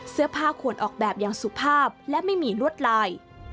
ควรออกแบบอย่างสุภาพและไม่มีลวดลาย